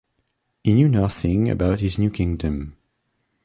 He knew nothing about his new kingdom.